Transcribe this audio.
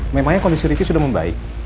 memangnya kondisi review sudah membaik